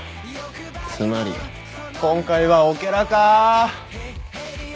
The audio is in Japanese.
つまり今回はオケラか。